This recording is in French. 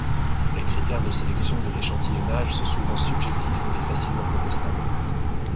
Les critères de sélection de l'échantillonnage sont souvent subjectifs et facilement contestables.